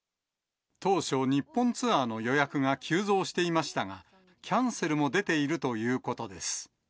当初、日本ツアーの予約が急増していましたが、キャンセルも出ているということです。